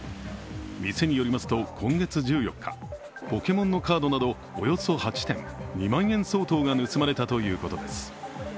店によりますと、今月１４日、ポケモンのカードなどおよそ８点、２万円相当が盗まれたということです。